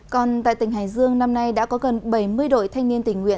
còn tại tỉnh hải dương năm nay đã có gần bảy mươi đội thanh niên tình nguyện